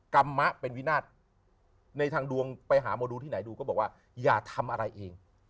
กรรมะเป็นวินาศในทางดวงไปหาหมอดูที่ไหนดูก็บอกว่าอย่าทำอะไรเอง